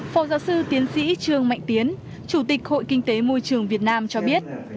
phó giáo sư tiến sĩ trương mạnh tiến chủ tịch hội kinh tế môi trường việt nam cho biết